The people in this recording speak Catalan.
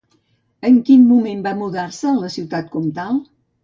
En quin moment va mudar-se a la ciutat comtal?